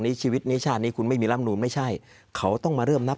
ชีวิตนี้ชาตินี้คุณไม่มีร่ำนูนไม่ใช่เขาต้องมาเริ่มนับ